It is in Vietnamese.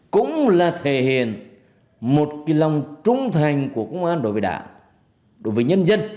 cũng là thể hiện một lòng trung thành của công an đối với đảng đối với nhân dân